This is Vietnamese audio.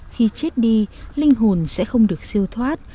khi chết đi linh hồn sẽ không được siêu thoát